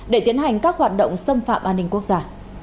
để tiến hành các hoạt động xâm phạm an ninh quốc gia